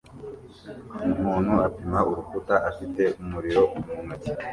umuntu apima urukuta afite umuriro mu ntoki